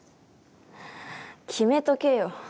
決めとけよ。